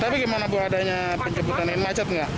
tapi gimana bu adanya penyebutan yang macet gak